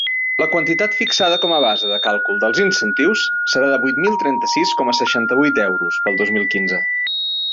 La quantitat fixada com a base de càlcul dels incentius serà de vuit mil trenta-sis coma seixanta-vuit euros per al dos mil quinze.